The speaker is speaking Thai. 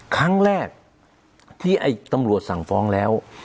ครั้งแรกที่ไอ้ตำรวจสั่งฟ้องแล้ว